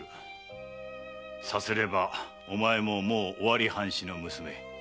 さすればお前ももう尾張藩士の娘。